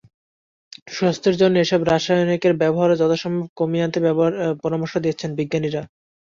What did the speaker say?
সুস্বাস্থ্যের জন্য এসব রাসায়নিকের ব্যবহারও যথাসম্ভব কমিয়ে আনতে পরামর্শ দিচ্ছেন বিজ্ঞানীরা।